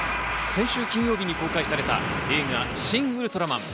先週金曜日に公開された映画『シン・ウルトラマン』。